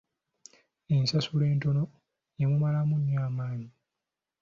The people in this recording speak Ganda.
Ensasula entono yamumalamu nnyo amaanyi.